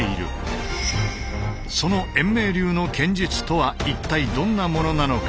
その円明流の剣術とは一体どんなものなのか。